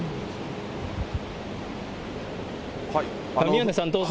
宮根さん、どうぞ。